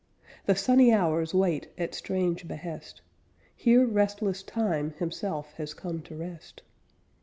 The sunny hours wait at strange behest. Here restless Time himself has come to rest.